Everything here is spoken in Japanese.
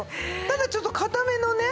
ただちょっと硬めのね。